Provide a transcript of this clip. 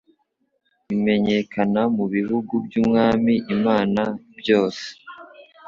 rimenyekana mu bihugu by'umwami imana byose